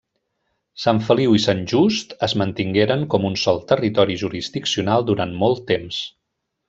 Sant Feliu i Sant Just es mantingueren com un sol territori jurisdiccional durant molt temps.